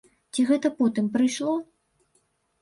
Ці гэта потым прыйшло?